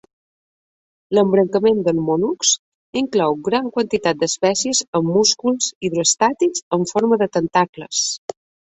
L'embrancament dels mol·luscs inclou gran quantitat d'espècies amb músculs hidroestàtics amb forma de tentacles.